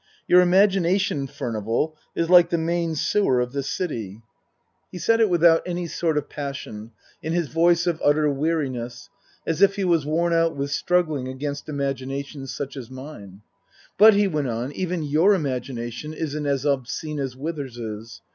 Your imagination, Furnival, is like the main sewer of this city." 62 Tasker Jevons He said it without any sort of passion, in his voice of utter weariness, as if he was worn out with struggling against imaginations such as mine. " But," he went on, " even your imagination isn't as obscene as Withers's.